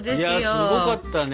いやすごかったね。